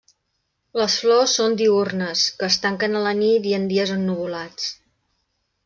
Les flors són diürnes, que es tanquen a la nit i en dies ennuvolats.